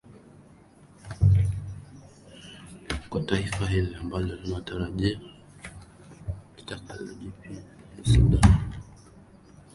kwa taifa hili ambalo tunatarajia litakuwa jipya sudan kusini